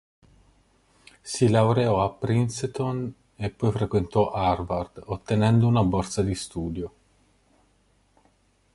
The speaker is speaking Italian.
Si laureò a Princeton e poi frequentò Harvard, ottenendo una borsa di studio.